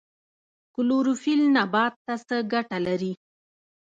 کلوروفیل نبات ته څه ګټه لري؟